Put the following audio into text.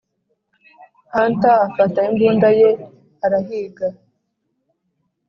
hunter afata imbunda ye arahiga.